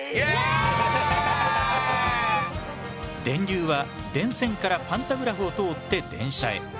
電流は電線からパンタグラフを通って電車へ。